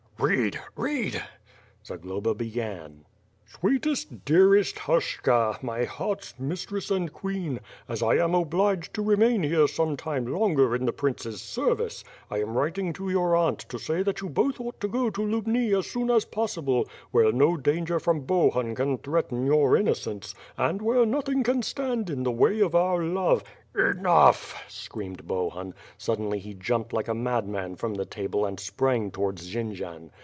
"Read! Read!" Zagloba began: "Sweetest, dearest Ilalshka, my hearths mistress and queen: As I am obliged to remain here some time longer in the prince's service, I am writing to your aunt to say that you both ought to go to Lubni as soon as possible, where no danger from Bohun can threaten your innocence, and where nothing can stand in the way of our love " "Enough," screamed Bohun; suddenly he jumped like a madman from the table and sprang towards Jendzian.